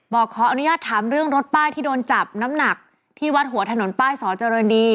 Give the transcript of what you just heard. ขออนุญาตถามเรื่องรถป้ายที่โดนจับน้ำหนักที่วัดหัวถนนป้ายสอเจริญดี